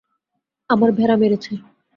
আমার ভেড়া মেরেছে।